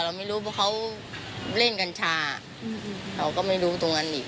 เราไม่รู้เพราะเขาเล่นกัญชาเราก็ไม่รู้ตรงนั้นอีก